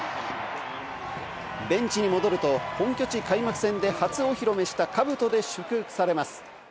ベンチに戻ると、本拠地開幕戦で初お披露目した兜で祝福されます。